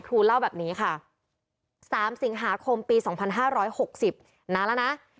เล่าแบบนี้ค่ะ๓สิงหาคมปี๒๕๖๐นานแล้วนะ